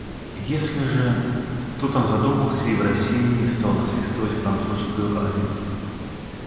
Если же…» Тут он задумался и в рассеянии стал насвистывать французскую арию.